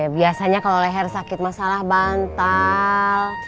biasanya kalau leher sakit masalah bantal